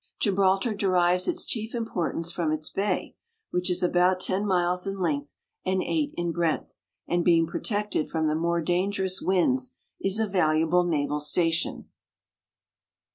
Gibraltar derives its chief importance from its bay, which is about ten miles in length and eight in breadth, and being protected from the more dangerous winds, is a valuable naval station.